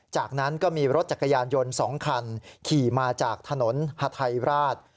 จากนั้นก็มีรถจักรยานยนต์๒คันขี่มาจากถนนฮาไทยราช